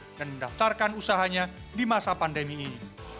dan mendaftarkan usahanya di masa pandemi ini